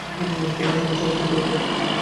কোন জুলুম সর্বাধিক গুরুতর?